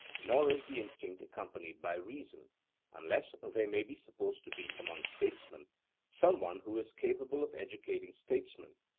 Nor is the instinct accompanied by reason, unless there may be supposed to be among statesmen some one who is capable of educating statesmen.